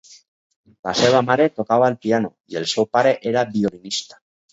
La seva mare tocava el piano i el seu pare era violinista.